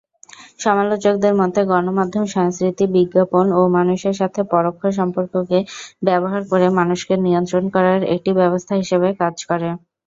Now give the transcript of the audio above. সমালোচকদের মতে, গণমাধ্যম সংস্কৃতি বিজ্ঞাপন ও মানুষের সাথে পরোক্ষ সম্পর্ককে ব্যবহার করে মানুষকে নিয়ন্ত্রণ করার একটি ব্যবস্থা হিশেবে কাজ করে।